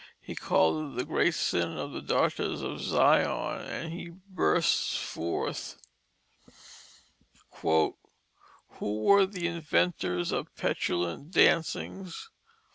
He called it the great sin of the Daughters of Zion, and he bursts forth: "Who were the Inventors of Petulant Dancings?